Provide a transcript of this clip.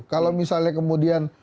kalau misalnya kemudian